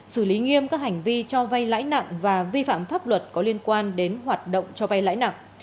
xử lý nghiêm các hành vi cho vay lãi nặng và vi phạm pháp luật có liên quan đến hoạt động cho vay lãi nặng